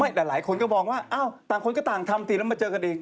ไม่แต่หลายคนก็บอกว่าต่างคนก็ต่างทำติดแล้วมาเจอกันเอง